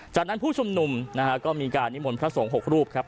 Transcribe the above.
จากนั้นผู้ชุมนุมนะฮะก็มีการนิมนต์พระสงฆ์๖รูปครับ